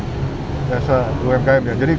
umkm biasa umkm ya jadi kita